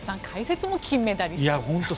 解説も金メダル。